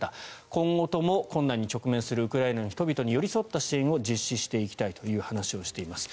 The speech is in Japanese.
今後とも困難に直面するウクライナの人々に寄り添った支援を実施していきたいという話をしています。